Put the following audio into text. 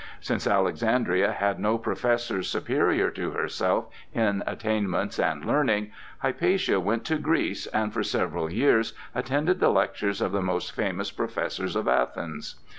Since Alexandria had no professors superior to herself in attainments and learning, Hypatia went to Greece and for several years attended the lectures of the most famous professors of Athens.